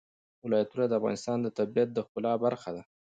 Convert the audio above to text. ولایتونه د افغانستان د طبیعت د ښکلا برخه ده.